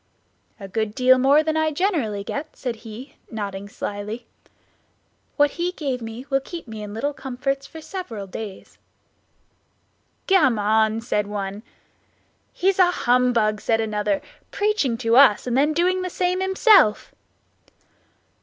"A good deal more than I generally get," said he, nodding slyly; "what he gave me will keep me in little comforts for several days." "Gammon!" said one. "He's a humbug," said another; "preaching to us and then doing the same himself."